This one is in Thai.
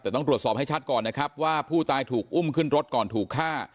แต่ต้องตรวจสอบให้ชัดก่อนนะครับว่าผู้ตายถูกอุ้มขึ้นรถก่อนถูกฆ่า